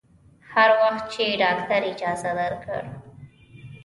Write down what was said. هر وخت چې ډاکتر اجازه درکړه.